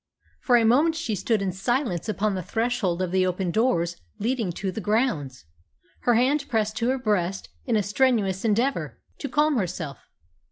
For a moment she stood in silence upon the threshold of the open doors leading to the grounds, her hand pressed to her breast in a strenuous endeavour to calm herself.